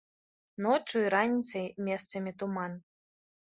Ноччу і раніцай месцамі туман.